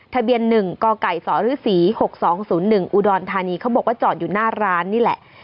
ทะเบียน๑กไก่สรศรี๖๒๐๑อุดรธานีเขาบอกว่าจอดอยู่หน้าร้านนี่แหละ